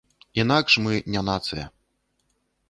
Інакш мы не нацыя.